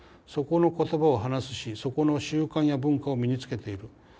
そこの言葉を話すしそこの習慣や文化を身につけている。